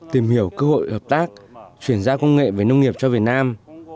tìm hiểu cơ hội hợp tác chuyển giao công nghệ về nông nghiệp cho việt nam